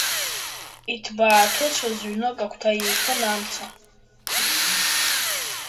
Иҭбааҭыцәыз ҩнык агәҭа еиқәын амца.